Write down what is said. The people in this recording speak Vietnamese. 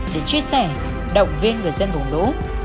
để chia sẻ động viên người dân bổng đỗ